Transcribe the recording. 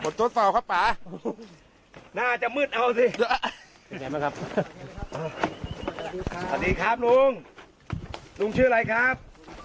กดโทษฟังครับป่าน่าจะมืดเอาสิเห็นไหมครับสวัสดีครับลุงลุงชื่ออะไรครับ